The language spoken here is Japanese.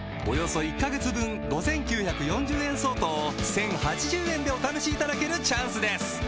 およそ１カ月分５９４０円相当を１０８０円でお試しいただけるチャンスです